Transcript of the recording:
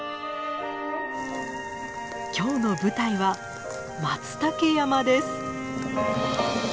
今日の舞台はマツタケ山です。